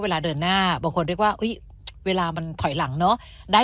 เวลาเดินหน้าบางคนเรียกว่าเวลามันถอยหลังเนอะ